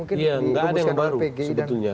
iya nggak ada yang baru sebetulnya